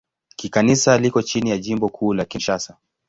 Kikanisa liko chini ya Jimbo Kuu la Kinshasa.